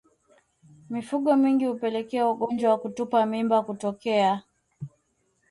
Mifugo mingi hupelekea ugonjwa wa kutupa mimba kutokea